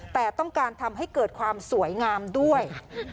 แต่ต้องการทำให้เกิดความสวยงามด้วย